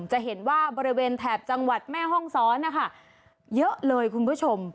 จะเห็นว่าบริเวณแถบจังหวัดแม่ห้องซ้อนนะคะเยอะเลยคุณผู้ชม